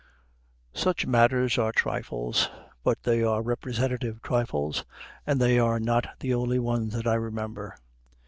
Such matters are trifles, but they are representative trifles, and they are not the only ones that I remember.